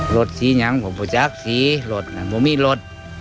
รถสียังผมประจักษ์สีรถผมมีรถ